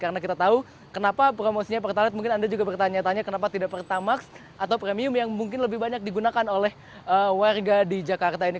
karena kita tahu kenapa promosinya pertalite mungkin anda juga bertanya tanya kenapa tidak pertamax atau premium yang mungkin lebih banyak digunakan oleh warga di jakarta ini